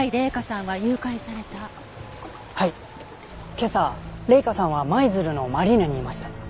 今朝麗華さんは舞鶴のマリーナにいました。